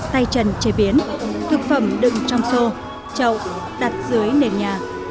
tay trần chế biến thực phẩm đựng trong xô trậu đặt dưới nền nhà